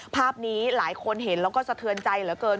ภาพนี้หลายคนเห็นแล้วก็สะเทือนใจเหลือเกิน